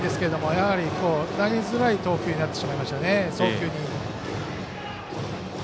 やはり投げづらい送球になってしまいましたね。